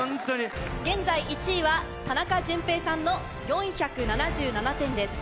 現在１位は田中惇平さんの４７７点です。